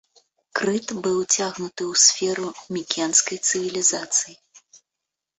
Крыт быў уцягнуты ў сферу мікенскай цывілізацыі.